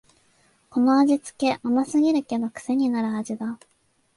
この味つけ、甘すぎるけどくせになる味だ